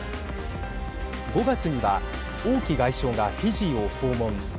５月には王毅外相がフィジーを訪問。